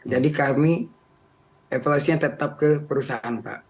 jadi kami evaluasinya tetap ke perusahaan pak